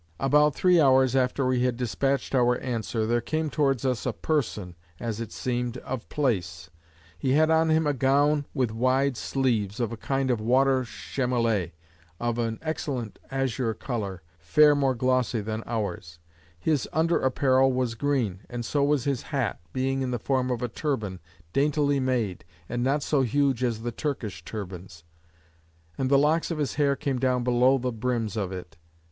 About three hours after we had dispatched our answer, there came towards us a person (as it seemed) of place. He had on him a gown with wide sleeves, of a kind of water chamolet, of an excellent azure colour, fair more glossy than ours; his under apparel was green; and so was his hat, being in the form of a turban, daintily made, and not so huge as the Turkish turbans; and the locks of his hair came down below the brims of it.